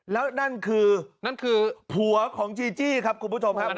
และนั่นคือผัวของจีจีครับคุณผู้ชมครับ